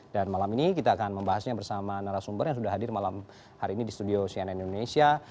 dan malam ini kita akan membahasnya bersama narasumber yang sudah hadir malam hari ini di studio cnn indonesia